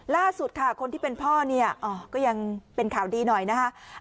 ล่าสุดคนที่เป็นพ่อก็ยังเป็นข่าวดีหน่อยนะครับ